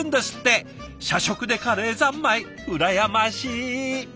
社食でカレー三昧羨ましい！